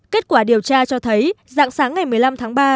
kết quả điều tra cho thấy dạng sáng ngày một mươi năm tháng ba